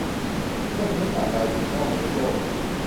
เพื่อนมนุษย์ต่างดาวยิงอ้อมมนุษย์โลก !